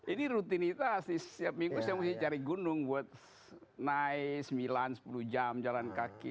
ini rutinitas di setiap minggu saya mesti cari gunung buat naik sembilan sepuluh jam jalan kaki